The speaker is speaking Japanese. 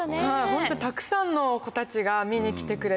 ホントにたくさんの子たちが見に来てくれて。